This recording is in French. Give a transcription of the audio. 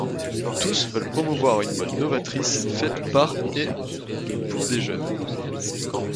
Tous veulent promouvoir une mode novatrice, faite par et pour des jeunes.